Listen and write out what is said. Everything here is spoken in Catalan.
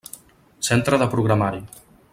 Centre de programari.